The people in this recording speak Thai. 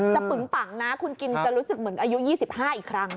ปึงปังนะคุณกินจะรู้สึกเหมือนอายุ๒๕อีกครั้ง